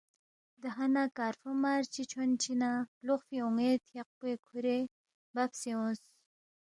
دہانا کارفو مار چھونچی نہ لوقفی اونے تھیاقپوئے کھورے بابسے اونگس۔